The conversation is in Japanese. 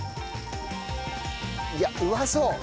いやうまそう。